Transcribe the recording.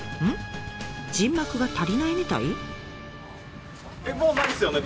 陣幕が足りないみたい？